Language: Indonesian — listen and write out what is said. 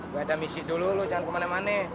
gue ada misi dulu lo jangan kemana mana